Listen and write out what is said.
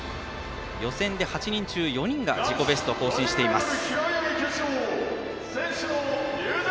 予選で８人中４人が自己ベストを更新しています。